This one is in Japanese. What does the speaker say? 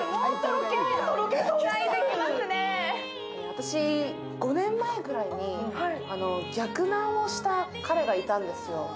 私、５年前くらいに逆ナンをした彼がいたんですよ。